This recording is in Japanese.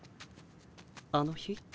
あの日？